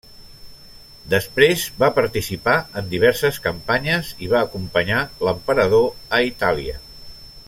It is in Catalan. Després va participar en diverses campanyes i va acompanyar l'emperador a Itàlia.